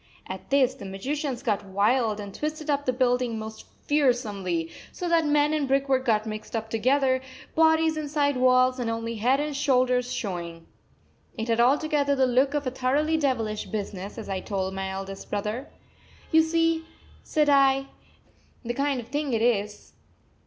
At this the magicians got wild and twisted up the building most fearsomely, so that men and brickwork got mixed together, bodies inside walls and only head and shoulders showing. It had altogether the look of a thoroughly devilish business, as I told my eldest brother. "You see," said I, "the kind of thing it is.